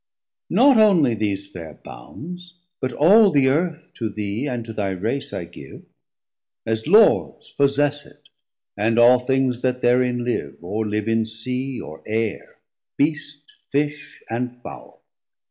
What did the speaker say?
Not onely these fair bounds, but all the Earth To thee and to thy Race I give; as Lords Possess it, and all things that therein live, 340 Or live in Sea, or Aire, Beast, Fish, and Fowle.